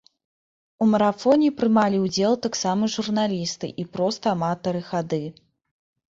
У марафоне прымалі ўдзел таксама журналісты і проста аматары хады.